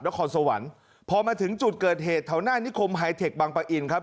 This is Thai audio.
นครสวรรค์พอมาถึงจุดเกิดเหตุแถวหน้านิคมไฮเทคบังปะอินครับ